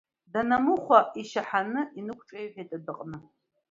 Данамыхәа ишьаҳаны инықәҿеиҳәеит адәаҟны.